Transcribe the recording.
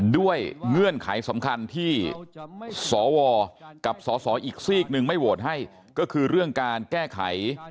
เงื่อนไขสำคัญที่สวกับสสอีกซีกหนึ่งไม่โหวตให้ก็คือเรื่องการแก้ไข